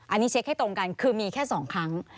อันนี้เช็คให้ตรงกันคือมีแค่๒ครั้ง